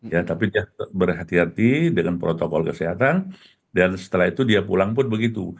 ya tapi dia berhati hati dengan protokol kesehatan dan setelah itu dia pulang pun begitu